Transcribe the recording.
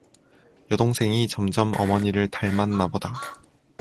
여동생이 점점 어머니를 닮았나 보다.